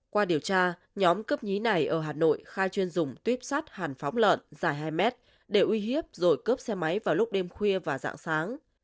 qua điều tra nhóm cướp nhí này ở hà nội khai chuyên dùng tuyếp sắt hàn phóng lợn dài hai mét để uy hiếp rồi cướp xe máy vào lúc đêm khuya và dạng sáng